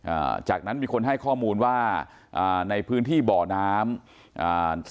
อ่าจากนั้นมีคนให้ข้อมูลว่าอ่าในพื้นที่บ่อน้ำอ่า